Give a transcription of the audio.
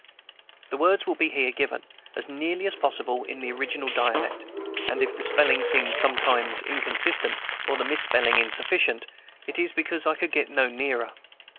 The words will be here given, as nearly as possible, in the original dialect; and if the spelling seems sometimes inconsistent, or the misspelling insufficient, it is because I could get no nearer.